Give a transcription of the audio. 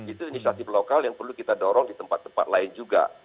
itu inisiatif lokal yang perlu kita dorong di tempat tempat lain juga